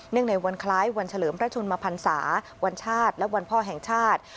ในวันคล้ายวันเฉลิมพระชนมพันศาวันชาติและวันพ่อแห่งชาติ